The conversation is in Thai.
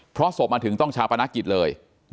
เพราะสกมาถึงชาปนากิจเลย